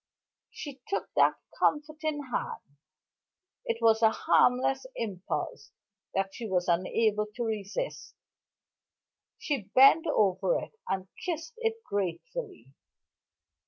She took that comforting hand it was a harmless impulse that she was unable to resist she bent over it, and kissed it gratefully.